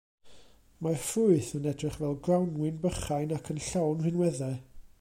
Mae'r ffrwyth yn edrych fel grawnwin bychain ac yn llawn rhinweddau.